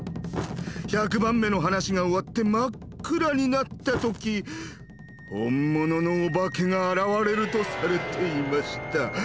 １００番目の話が終わって真っ暗になった時本物のお化けが現れるとされていました。